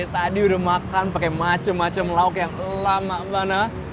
tadi udah makan pakai macam macam lauk yang lama mana